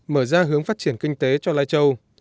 mở ra hướng phát triển kinh tế cho lai châu